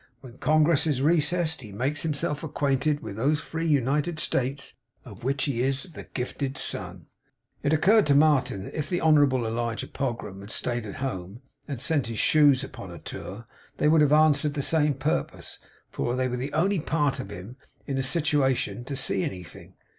When Congress is recessed, he makes himself acquainted with those free United States, of which he is the gifted son.' It occurred to Martin that if the Honourable Elijah Pogram had stayed at home, and sent his shoes upon a tour, they would have answered the same purpose; for they were the only part of him in a situation to see anything.